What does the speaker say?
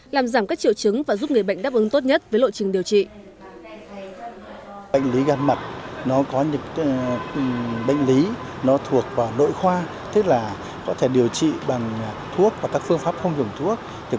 làm giảm các triệu chứng và giúp người bệnh đáp ứng tốt nhất với lộ trình điều trị